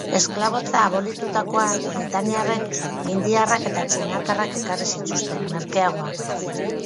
Esklabotza abolitutakoan, britaniarrek indiarrak eta txinatarrak ekarri zituzten, merkeagoak baitziren.